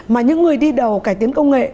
mà những người đi đầu cải tiến công nghệ